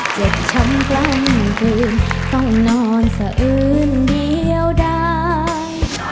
เจ็บช้ำกลางคืนต้องนอนสะอื้นเดียวได้